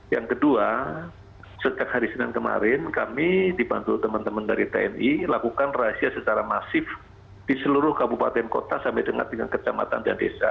yang kedua sejak hari senin kemarin kami dibantu teman teman dari tni lakukan rahasia secara masif di seluruh kabupaten kota sampai dengan tingkat kecamatan dan desa